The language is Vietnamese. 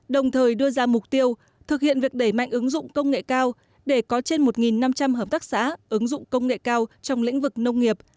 đồng thời đưa ra mục tiêu thực hiện việc đẩy mạnh ứng dụng công nghệ cao để có trên một năm trăm linh hợp tác xã ứng dụng công nghệ cao trong lĩnh vực nông nghiệp